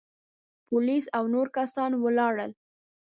پوليس او نور کسان ولاړل.